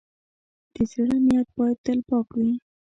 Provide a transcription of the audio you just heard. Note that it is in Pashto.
د زړۀ نیت باید تل پاک وي.